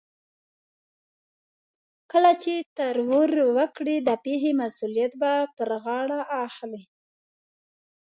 کله چې ترور وکړي د پېښې مسؤليت پر غاړه اخلي.